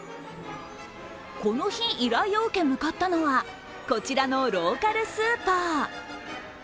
この日、依頼を受け、向かったのはこちらのローカルスーパー。